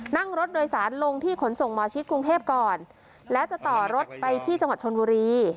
นั่งรถโดยสารลงที่ขนส่งหมอชิดกรุงเทพก่อนแล้วจะต่อรถไปที่จังหวัดชนบุรี